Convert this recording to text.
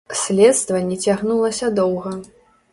Следства не цягнулася доўга.